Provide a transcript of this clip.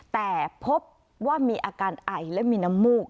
แต่พบว่ามีอาการไอและมีน้ำมูก